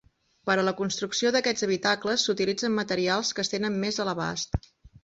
Per a la construcció d'aquests habitacles s'utilitzen materials que es tenen més a l'abast.